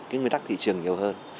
nguyên tắc thị trường nhiều hơn